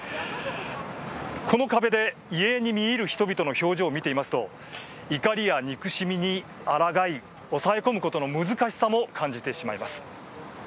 この壁で、遺影に見入る人々の表情を見ていますと怒りや憎しみにあらがい抑え込むことの難しさも感じてしまいます。